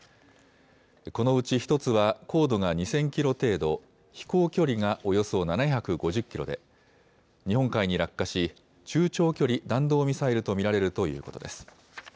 このうち１つは高度が２０００キロ程度、飛行距離がおよそ７５０キロで、日本海に落下し、中長距離弾道ミサイルと見られるということです。